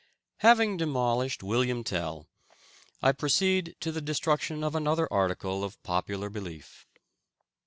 Having demolished William Tell, I proceed to the destruction of another article of popular belief.